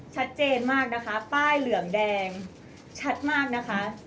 ชัดเจนมากนะคะป้ายเหลืองแดงชัดมากนะคะ